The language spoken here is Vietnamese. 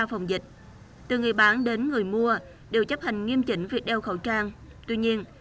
phòng dịch từ người bán đến người mua đều chấp hành nghiêm chỉnh việc đeo khẩu trang tuy nhiên